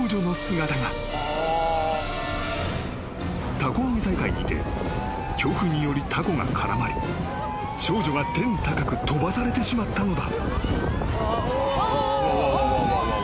［たこ揚げ大会にて強風によりたこが絡まり少女が天高く飛ばされてしまったのだ］